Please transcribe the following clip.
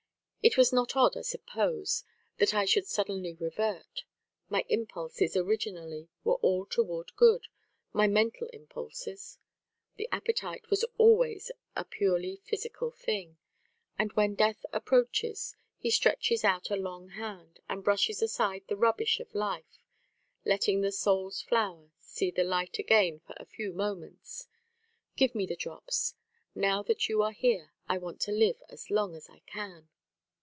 It is not odd, I suppose, that I should suddenly revert: my impulses originally were all toward good, my mental impulses; the appetite was always a purely physical thing; and when Death approaches, he stretches out a long hand and brushes aside the rubbish of life, letting the soul's flower see the light again for a few moments. Give me the drops. Now that you are here, I want to live as long as I can."